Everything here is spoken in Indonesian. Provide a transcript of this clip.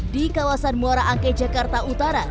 di kawasan muara angke jakarta utara